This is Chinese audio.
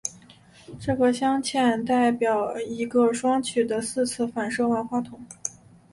这个镶嵌代表一个双曲的四次反射万花筒。